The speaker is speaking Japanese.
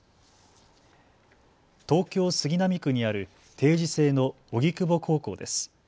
東京杉並区にある定時制の荻窪高校です。